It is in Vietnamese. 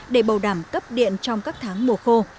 để bầu đảm cấp điện trong các tháng mùa khô